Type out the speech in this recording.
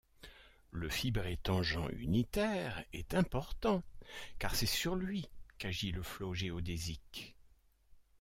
Le fibré tangent unitaire est important car c'est sur lui qu'agit le flot géodésique.